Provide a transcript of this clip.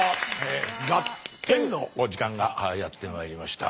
「ガッテン！」の時間がやってまいりました。